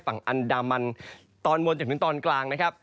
ฝั่งอันดามันตอนบนจนถึงตอนกลางนะครับ